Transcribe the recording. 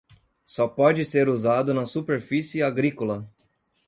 Só pode ser usado na superfície agrícola.